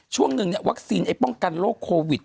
ช่วงหนึ่งวัคซีนป้องกันโรคโควิด